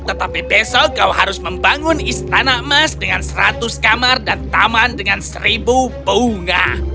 tetapi besok kau harus membangun istana emas dengan seratus kamar dan taman dengan seribu bunga